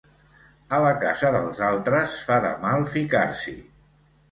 A la casa dels altres, fa de mal ficar-s'hi.